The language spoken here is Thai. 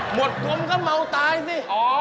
หมวดกรมก็เมาตายสิอ๋อ